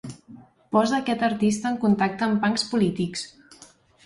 Posa aquest artista en contacte amb punks polítics.